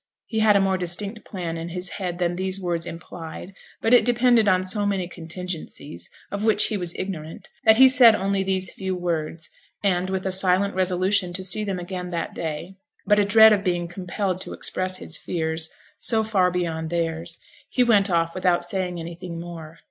He had a more distinct plan in his head than these words implied, but it depended on so many contingencies of which he was ignorant that he said only these few words; and with a silent resolution to see them again that day, but a dread of being compelled to express his fears, so far beyond theirs, he went off without saying anything more.